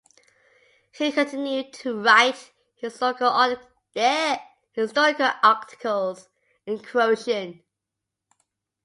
He continued to write historical articles in Croatian.